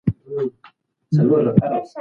هغه کسان چې مسلکي دي باید په کار وګمـارل سي.